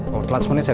nanti pedes kan